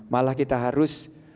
malah kita harus